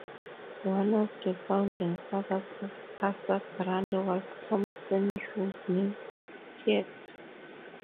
One of the founding fathers of Casa Grande was Thompson Rodney Peart.